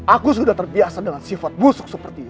aku sudah terbiasa dengan sifat busuk seperti ini